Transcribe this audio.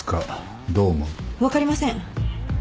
分かりません。